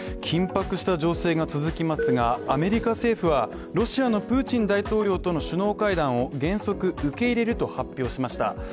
緊迫した情勢が続きますがアメリカ政府はロシアのプーチン大統領との首脳会談を原則、受け入れると発表しました。